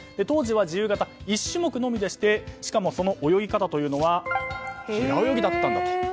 当時は自由形１種目のみでしかも、その泳ぎ方というのは平泳ぎだったんだと。